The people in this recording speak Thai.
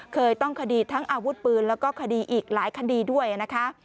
เคยต้องคดีทั้งอาวุธปืนแล้วก็คดีอีกหลายคดีด้วยนะคะ